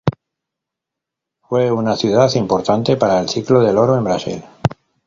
Fue una ciudad importante para el "ciclo del oro" en Brasil.